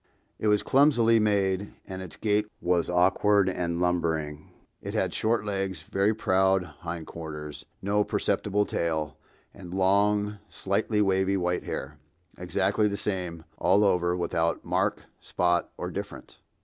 It was clumsily made, and its gait was awkward and lumbering. It had short legs, very round hind quarters, no perceptible tail, and long, slightly wavy white hair, exactly the same all over, without mark, spot or difference.